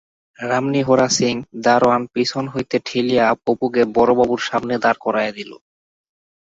রামনিহোরা সিং দারোয়ান পিছন হইতে ঠেলিয়া অপুকে বড়বাবুর সামনে দাঁড় করাইয়া দিল।